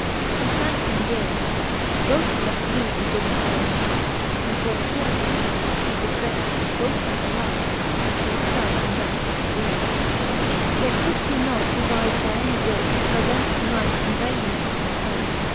She thankt him deare, Both for that newes he did to her impart, And for the courteous care, which he did beare Both to her love, and to her felfe in that fad dreare. XLVII. Yet could fhe not devife by any wit, How thence fhe might convay him to fbme place.